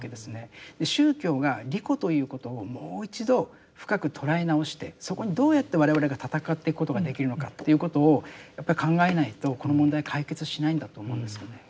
宗教が利己ということをもう一度深く捉え直してそこにどうやって我々がたたかっていくことができるのかということをやっぱり考えないとこの問題解決しないんだと思うんですよね。